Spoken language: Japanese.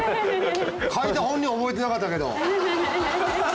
書いた本人覚えてなかったけど。